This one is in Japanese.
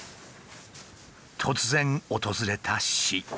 突然訪れた死。